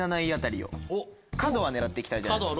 角は狙って行きたいじゃないですか